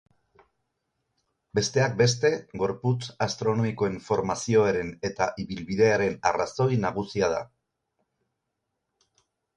Besteak beste, gorputz astronomikoen formazioaren eta ibilbidearen arrazoi nagusia da.